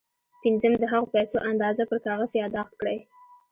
پنځم د هغو پيسو اندازه پر کاغذ ياداښت کړئ.